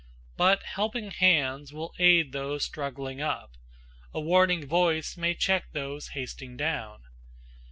But helping hands will aid those struggling up; A warning voice may check those hasting down.